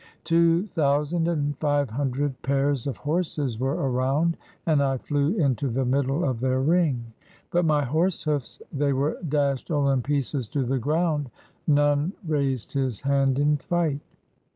Two thousand and five himdred pairs of horses were around. And I flew into the middle of their ring, By my horse hoofs they were dashed all in pieces to the ground. None raised his hand in fight.